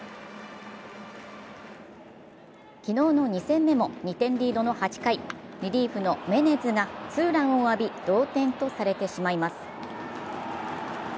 昨日の２戦目も２点リードの８回リリーフのメネズがツーランを浴び、同点とされてしまいます。